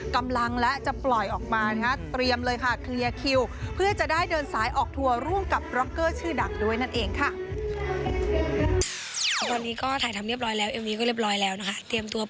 กำลังและจะปล่อยออกมาครับเตรียมเลยค่ะ